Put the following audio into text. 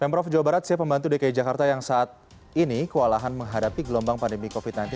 pemprov jawa barat siap membantu dki jakarta yang saat ini kewalahan menghadapi gelombang pandemi covid sembilan belas